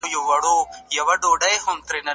د عفوې او درګذر کلتور بايد عام سي.